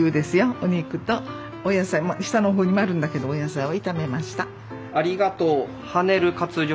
お肉とお野菜下の方にもあるんだけどお野菜を炒めました。